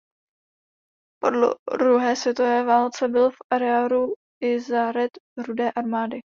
Po druhé světové válce byl v areálu lazaret Rudé armády.